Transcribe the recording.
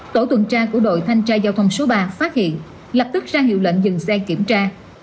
tổ tuần tra của đội thanh tra giao thông số ba phát hiện lập tức ra hiệu lệnh dừng xe kiểm tra